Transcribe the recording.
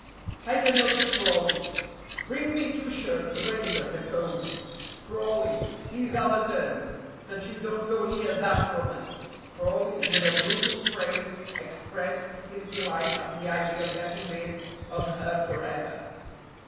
"Hide the notes, Crawley. Bring me two shirts, a razor, and a comb. Crawley, these are the terms. That you don't go near that woman " Crawley, with a brutal phrase, expressed his delight at the idea of getting rid of her forever.